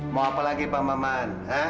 mau apa lagi bang maman